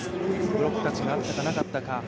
ブロックタッチがあったかなかったか。